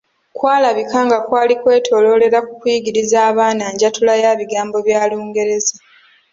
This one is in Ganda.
Kwalabika nga kwali kwetoloololera ku kuyigiriza abaana njatula ya bigambo bya Lungereza.